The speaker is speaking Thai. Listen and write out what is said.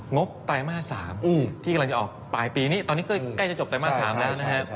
บไตรมาส๓ที่กำลังจะออกปลายปีนี้ตอนนี้ใกล้จะจบไตรมาส๓แล้วนะฮะ